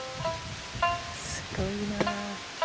すごいな。